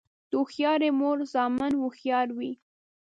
د هوښیارې مور زامن هوښیار وي.